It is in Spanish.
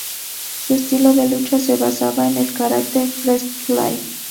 Su estilo de lucha se basaba en el "karate freestyle".